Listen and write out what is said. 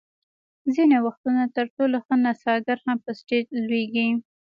ځینې وختونه تر ټولو ښه نڅاګر هم په سټېج لویږي.